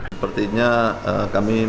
sepertinya kami menunda